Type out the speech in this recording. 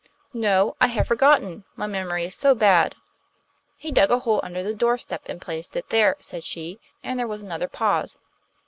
'No, I have forgotten; my memory is so bad.' 'He dug a hole under the doorstep and placed it there,' said she. And there was another pause.